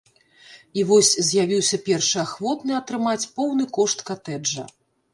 І вось з'явіўся першы ахвотны атрымаць поўны кошт катэджа.